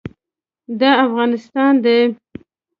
دا افغانستان دی.